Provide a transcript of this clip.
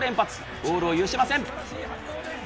ゴールを許しません。